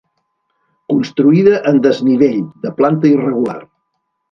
Construïda en desnivell, de planta irregular.